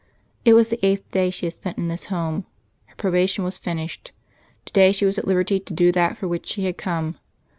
It was the eighth day she had spent in this Home; her probation was finished: to day she was at liberty to do that for which she had come.